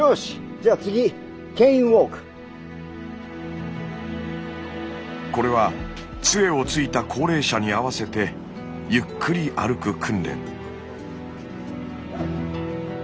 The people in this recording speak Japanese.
じゃあ次これはつえをついた高齢者に合わせてゆっくり歩く訓練。